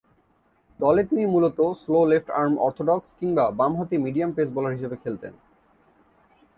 দলে তিনি মূলতঃ স্লো লেফট-আর্ম অর্থোডক্স কিংবা বামহাতি মিডিয়াম পেস বোলার হিসেবে খেলতেন।